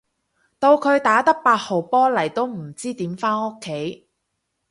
到佢打得八號波嚟都唔知點返屋企